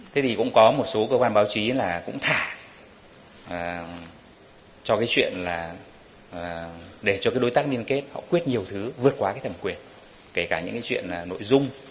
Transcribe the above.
thế thì cũng có một số cơ quan báo chí là cũng thả cho cái chuyện là để cho cái đối tác liên kết họ quyết nhiều thứ vượt qua cái thẩm quyền kể cả những cái chuyện nội dung